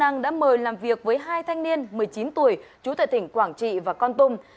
lực lượng chức năng đã mời làm việc với hai thanh niên một mươi chín tuổi trú tại tỉnh quảng trị và con tùng